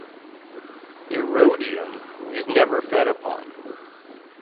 "Erodium" is never fed upon.